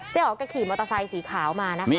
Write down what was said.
เจ๊อ๋อก็ขี่มอเตอร์ไซสี่ขาวมานะคะ